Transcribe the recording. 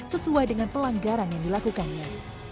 sesuai dengan pelanggaran yang dilakukannya